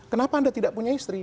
kenapa anda tidak punya istri